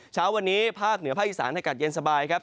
เช้าวันนี้ภาคเหนือภาคอีสานอากาศเย็นสบายครับ